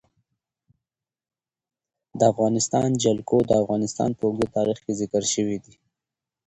د افغانستان جلکو د افغانستان په اوږده تاریخ کې ذکر شوی دی.